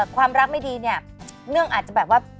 ความรักไม่ดีเนี่ยเนื่องอาจจะแบบว่า